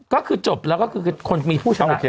ก็คือจบแล้วก็คือคนมีผู้ฉลาดแล้ว